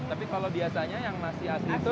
tapi kalau biasanya yang nasi asli itu